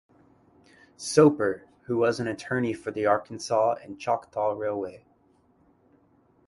Soper, who was an attorney for the Arkansas and Choctaw Railway.